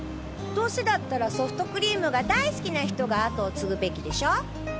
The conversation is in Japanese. どうせだったらソフトクリームが大好きな人が跡を継ぐべきでしょ？